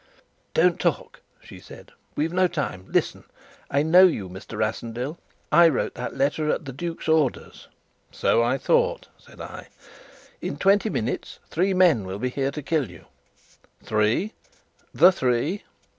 "Don't talk," she said. "We've no time. Listen! I know you, Mr. Rassendyll. I wrote that letter at the duke's orders." "So I thought," said I. "In twenty minutes three men will be here to kill you." "Three the three?"